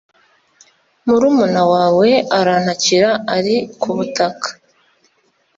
murumuna wawe arantakira ari ku butaka